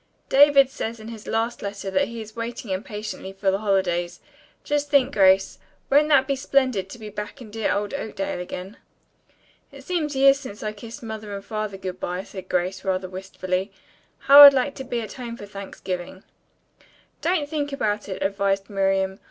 "David says in his last letter that he is waiting impatiently for the holidays. Just think, Grace, won't that be splendid to be back in dear old Oakdale again?" "It seems years since I kissed Mother and Father good bye," said Grace, rather wistfully. "How I'd like to be at home for Thanksgiving." "Don't think about it," advised Miriam.